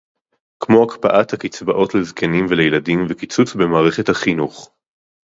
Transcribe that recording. כמו הקפאת הקצבאות לזקנים ולילדים וקיצוץ במערכת החינוך